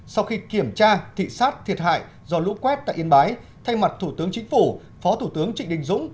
sau khi kiểm tra thị sát thiệt hại do lũ quét tại yên bái thay mặt thủ tướng chính phủ phó thủ tướng trịnh đình dũng